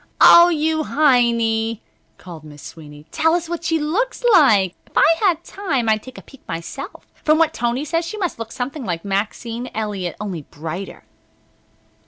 "O, you Heiny!" called Miss Sweeney, "tell us what she looks like. If I had time I'd take a peek myself. From what Tony says she must look something like Maxine Elliot, only brighter."